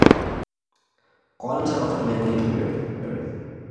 Columns are often manually prepared.